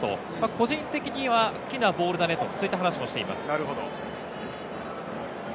個人的には好きなボールだねと、お話をしていました。